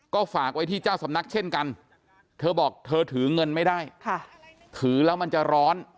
ก็ฝากไว้ที่เจ้าสำนักเช่นกันเธอบอกเธอถือเงินไม่ได้ถือแล้วมันจะร้อน